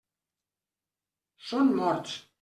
Són morts.